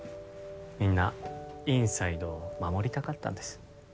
みんなｉｎｓｉｄｅを守りたかったんです